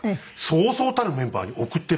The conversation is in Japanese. そうそうたるメンバーに送ってるんですよ。